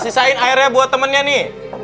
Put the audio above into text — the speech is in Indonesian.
sisain airnya buat temennya nih